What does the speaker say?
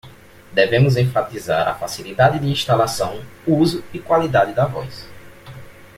Devemos enfatizar a facilidade de instalação, uso e qualidade da voz.